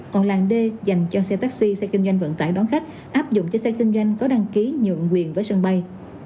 còn làng d dành cho xe taxi xe kinh doanh vận tải đón khách áp dụng cho xe kinh doanh có đăng ký nhượng quyền với sân bay